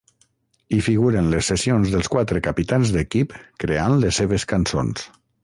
Hi figuren les sessions dels quatre capitans d'equip creant les seves cançons.